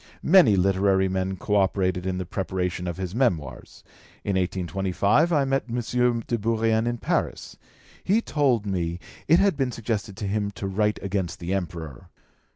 Many literary men co operated in the preparation of his Memoirs. In 1825 I met M. de Bourrienne in Paris. He told me it had been suggested to him to write against the Emperor.